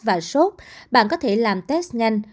và sốt bạn có thể làm test nhanh